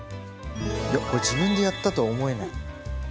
いやこれ自分でやったとは思えない。